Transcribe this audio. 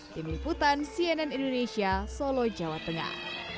tim liputan cnn indonesia solo jawa tengah